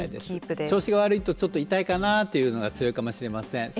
調子が悪いと痛いかなというのが強いかもしれません。